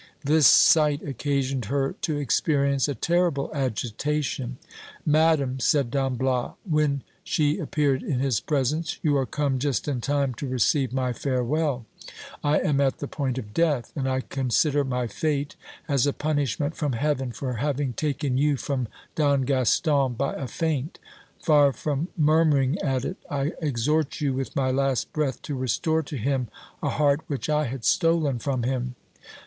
This sight occasioned her to experience a terrible agitation. Madam, said Don Bias, when she appeared in his presence, you are come just in time to receive my farewell. COGOLLOS MARRIES DONNA HELENA. 419 I am at the point of death, and I consider my fate as a punishment from heaven for having taken you from Don Gaston by a feint : far from murmuring at it, I exhort you with my last breath to restore to him a heart which I had stolen from him.